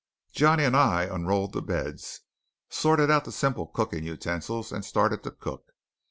Johnny and I unrolled the beds, sorted out the simple cooking utensils, and started to cook.